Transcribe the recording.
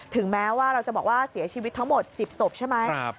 ถึงแม้ว่าเราจะบอกว่าเสียชีวิตทั้งหมด๑๐ศพใช่ไหม